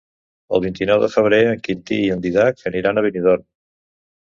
El vint-i-nou de febrer en Quintí i en Dídac aniran a Benidorm.